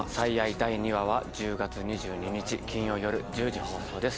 第２話は１０月２２日金曜よる１０時放送です